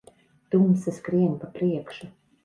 Tumsa skrien pa priekšu.